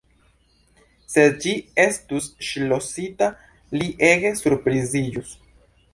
Se ĝi estus ŝlosita, li ege surpriziĝus.